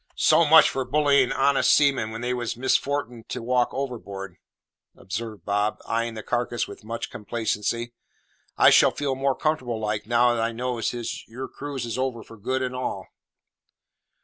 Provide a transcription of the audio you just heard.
"So much for bullyin' honest seamen when they has the misfortin' to walk overboard," observed Bob, eyeing the carcase with much complacency. "I shall feel more comfortable like, now I knows as your cruise is over for good and all."